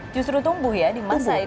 justru tumbuh ya di masa itu